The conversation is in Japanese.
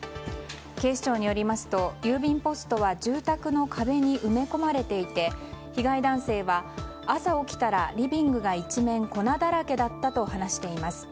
警視庁によりますと郵便ポストは住宅の壁に埋め込まれていて被害男性は朝起きたらリビングが一面粉だらけだったと話しています。